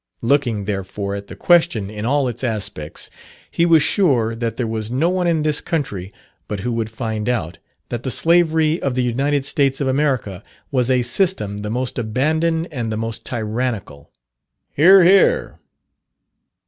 Looking, therefore, at the question in all its aspects, he was sure that there was no one in this country but who would find out, that the slavery of the United States of America was a system the most abandoned and the most tyrannical. (Hear, hear.)"